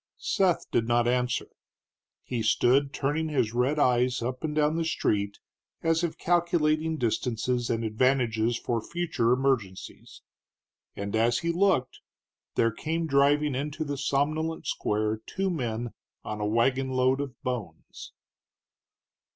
Seth did not answer. He stood turning his red eyes up and down the street, as if calculating distances and advantages for future emergencies. And as he looked there came driving into the somnolent square two men on a wagonload of bones.